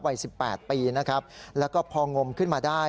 วัยสิบแปดปีนะครับแล้วก็พองมขึ้นมาได้